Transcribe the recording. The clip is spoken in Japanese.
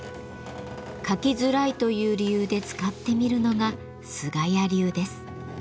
描きづらいという理由で使ってみるのが菅谷流です。